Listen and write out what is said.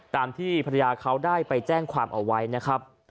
ตามที่ภรรยาเขาได้ไปแจ้งความเอาไว้นะครับ